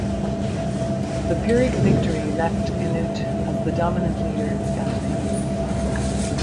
The Pyrrhic victory left Cnut as the dominant leader in Scandinavia.